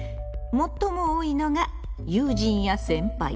最も多いのが友人や先輩。